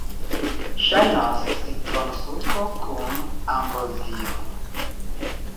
Ŝajnas citronsuko kun ambrozio.